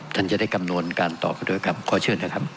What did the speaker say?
ท่านจะได้กำนวณการตอบกันด้วยครับขอเชื่อนะครับ